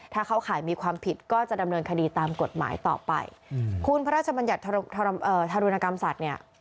ถ้าเข้าข่ายมีความผิดก็จะดำเนินคดีตามกฎหมายต่อไปคุณพระราชบัญญัติธารุณกรรมสัตว์เนี่ย